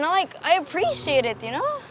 aku suka tau